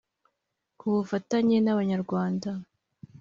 Ku bufatanyen’abanyarwanda